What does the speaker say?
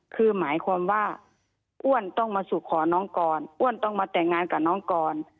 คือหมายความว่าอ้วนต้องมาสู่ขอน้องก่อนอ้วนต้องมาแต่งงานกับน้องก่อน